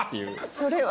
それは。